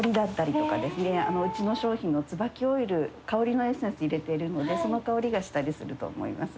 うちの商品のつばきオイル香りのエッセンス入れてるのでその香りがしたりすると思います。